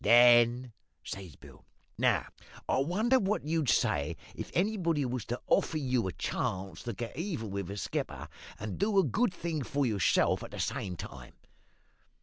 "Then says Bill, `Now, I wonder what you'd say if anybody was to offer you a chance to get even with the skipper, and do a good thing for yourself at the same time?'